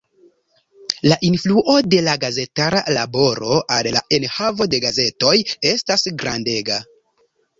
La influo de la gazetara laboro al la enhavo de gazetoj estas grandega.